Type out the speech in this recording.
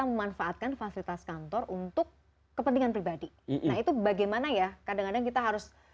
memanfaatkan fasilitas kantor untuk kepentingan pribadi nah itu bagaimana ya kadang kadang kita harus